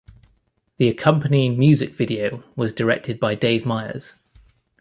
The accompanying music video was directed by Dave Meyers.